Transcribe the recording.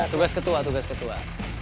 tugas ketua tugas ketua